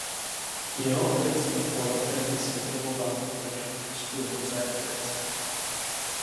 Jeho otec Nikola první světovou válku prožil v Rusku jako zajatec.